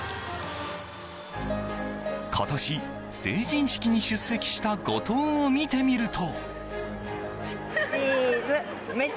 今年、成人式に出席した後藤を見てみると。